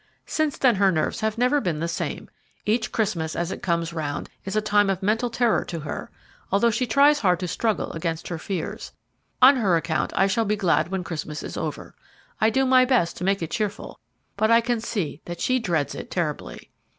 Since then her nerves have never been the same. Each Christmas as it comes round is a time of mental terror to her, although she tries hard to struggle against her fears. On her account I shall be glad when Christmas is over. I do my best to make it cheerful, but I can see that she dreads it terribly."